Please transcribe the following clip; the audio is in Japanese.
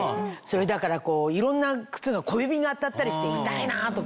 だからいろんな靴が小指に当たったりして痛いな！とか。